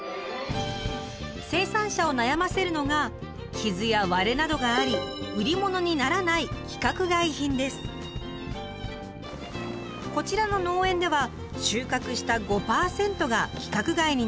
生産者を悩ませるのが傷や割れなどがあり売り物にならないこちらの農園では収穫した５％が規格外になるといいます。